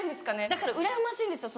だからうらやましいんですよ。